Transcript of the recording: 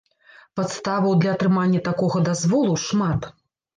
Падставаў для атрымання такога дазволу шмат.